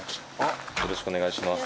よろしくお願いします。